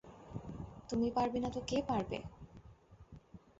তুমি পারবে না তো কে পারবে?